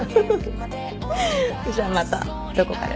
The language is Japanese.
じゃあまたどこかで。